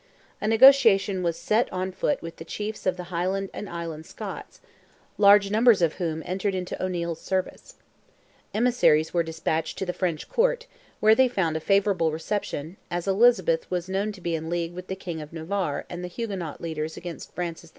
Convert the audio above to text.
A negotiation was set on foot with the chiefs of the Highland and Island Scots, large numbers of whom entered into O'Neil's service. Emissaries were despatched to the French Court, where they found a favourable reception, as Elizabeth was known to be in league with the King of Navarre and the Huguenot leaders against Francis II.